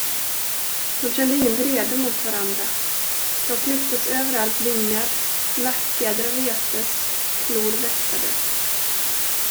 De kände ingen vrede mot varandra, dock lyftes överallt vingar, nackfjädrar restes, klor vässades.